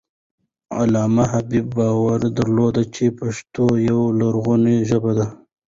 علامه حبيبي باور درلود چې پښتو یوه لرغونې ژبه ده.